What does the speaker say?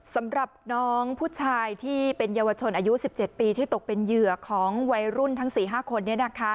สำหรับน้องผู้ชายที่เป็นเยาวชนอายุ๑๗ปีที่ตกเป็นเหยื่อของวัยรุ่นทั้ง๔๕คน